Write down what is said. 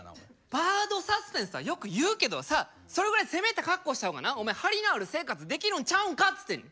バードサスペンスはよく言うけどさそれぐらい攻めた格好した方がなお前張りのある生活できるんちゃうんかっつってんねん。